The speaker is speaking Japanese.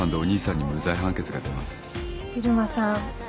入間さん